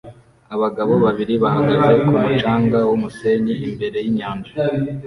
Abagabo babiri bahagaze ku mucanga wumusenyi imbere yinyanja